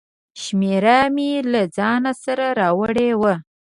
شمېره مې له ځانه سره راوړې وه.